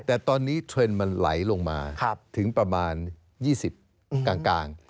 แต่ตอนนี้เทรนด์มันไหลลงมาถึงประมาณ๒๐กลาง